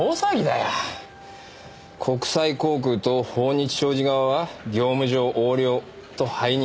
国際航空と豊日商事側は業務上横領と背任。